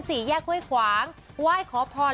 สี่แยกห้วยขวางไหว้ขอพร